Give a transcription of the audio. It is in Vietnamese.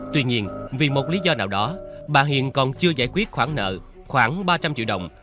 tuy nhiên vì một lý do nào đó bà hiền còn chưa giải quyết khoản nợ khoảng ba trăm linh triệu đồng